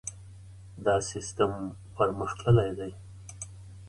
دا سیستم پرمختللی دی.